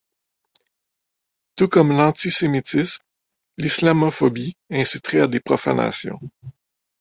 Tout comme l'anti-sémitisme, l'islamophobie inciterait à des profanations.